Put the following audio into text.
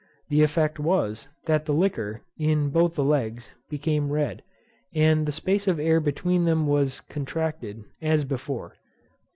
The effect was, that the liquor, in both the legs, became red, and the space of air between them was contracted, as before.